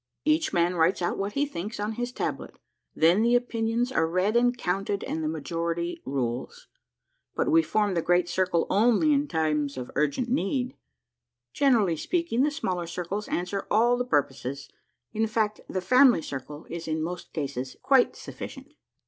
Each man writes out what he thinks on his tablet. Then the opinions are read and counted and the majority rules. But we form the Great Circle only in times of urgent need. Gen erally speaking, the smaller circles answer all the purposes ; in fact, the family circle is in most cases quite sufficient."